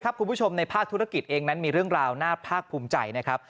คุณผู้ชมในภาคธุรกิจเองนั้นมีเรื่องราวน่าภาคภูมิใจนะครับ